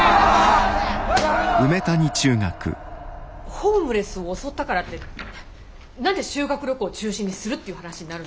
ホームレスを襲ったからって何で修学旅行中止にするっていう話になるのよ。